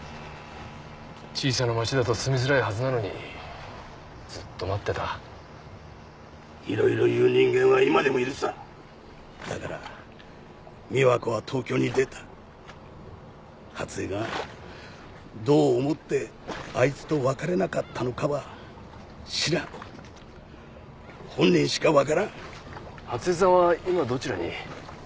小さな町だと住みづらいはずなのにずっと待ってたいろいろ言う人間は今でもいるさだから美和子は東京に出た初枝がどう思ってあいつと別れなかったのかは知らん本人しか分からん初枝さんは今どちらに？